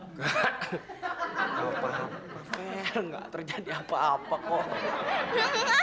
gak apa apa fair nggak terjadi apa apa kok